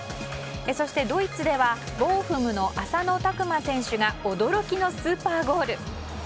そして、ドイツではボーフムの浅野拓磨選手が驚きのスーパーゴール。